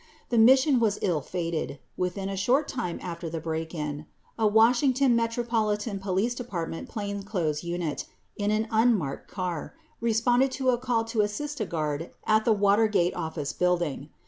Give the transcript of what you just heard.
3 The mission was ill fated. Within a short time after the break in, a Washington Metropolitan Police Department plain clothes unit in an unmarked car responded to a call to assist a guard at the Watergate Office Building.